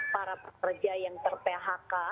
para pekerja yang ter phk